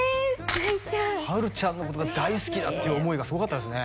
泣いちゃうはるちゃんのことが大好きだって思いがすごかったですね